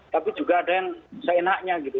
tapi juga ada yang seenaknya gitu